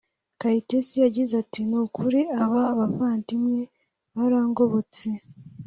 Kayitesi yagize ati “Nukuri aba bavandimwe barangobotse